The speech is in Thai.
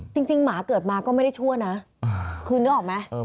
หมาเกิดมาก็ไม่ได้ชั่วนะคือนึกออกไหม